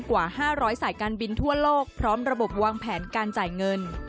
กว่า๕๐๐สายการบินทั่วโลกพร้อมระบบวางแผนการจ่ายเงิน